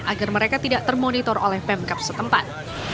agar mereka tidak termonitor oleh pemkap setempat